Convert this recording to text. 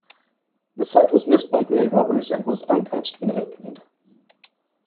The site was missed by grave robbers and was untouched when opened.